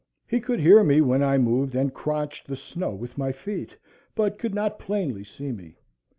He could hear me when I moved and cronched the snow with my feet, but could not plainly see me.